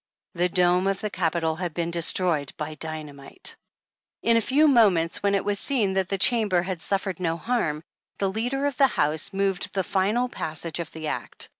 The dome of the Capitol had been destroyed by dynamite. In a few moments, when it was seen that the •Chamber had suffered no harm, the leader of the House moved the final passage of the Act.